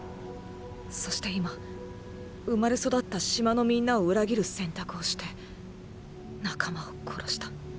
そして今生まれ育った島のみんなを裏切る選択をして仲間を殺した。